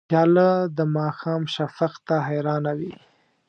پیاله د ماښام شفق ته حیرانه وي.